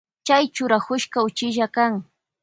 Chay churakushka uchilla kan.